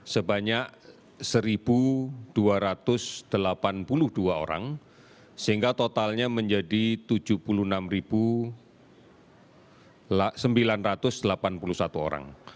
sebanyak satu dua ratus delapan puluh dua orang sehingga totalnya menjadi tujuh puluh enam sembilan ratus delapan puluh satu orang